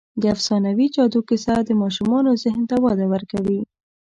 د افسانوي جادو کیسه د ماشومانو ذهن ته وده ورکوي.